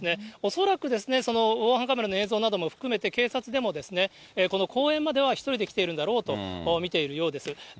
恐らく防犯カメラの映像なども含めて警察でも、この公園までは１人で来ているんだろうと見ているようです。